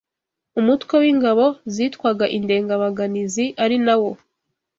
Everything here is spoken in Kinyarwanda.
umutwe w’ingabo zitwaga Indengabaganazi ari nawo